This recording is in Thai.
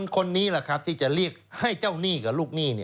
คนนี้ที่จะเรียกให้เจ้าหนี้กับลูกหนี้